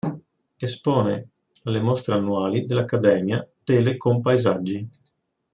Espone alle mostre annuali dell'Accademia tele con paesaggi.